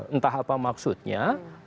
entah apa maksudnya